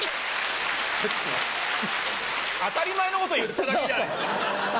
当たり前のこと言っただけじゃないですか。